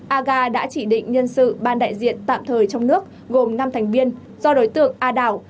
aga đã chỉ định nhân sự ban đại diện tạm thời trong nước gồm năm thành viên do đối tượng a đảo